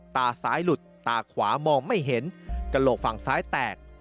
ตาซ้ายหลุดตาขวามองไม่เห็นกระโหลกฝั่งซ้ายแตก